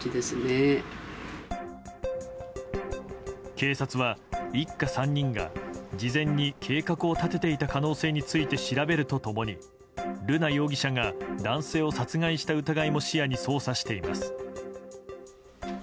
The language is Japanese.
警察は、一家３人が事前に計画を立てていた可能性について調べると共に瑠奈容疑者が男性を殺害した疑いも視野に捜査しています。